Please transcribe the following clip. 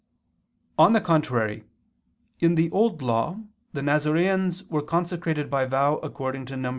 On the contrary, In the Old Law the Nazareans were consecrated by vow according to Num.